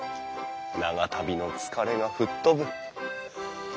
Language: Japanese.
長旅の疲れが吹っ飛ぶ。